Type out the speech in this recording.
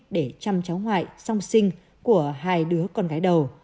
để chăm cháu ngoại song sinh của hai đứa con gái đầu